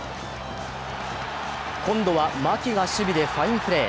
牧が今度は守備でファインプレー。